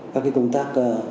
các công tác